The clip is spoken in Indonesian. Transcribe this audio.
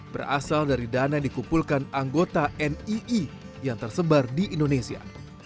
berasal dari dana yang dikumpulkan anggota nii yang tersebar di indonesia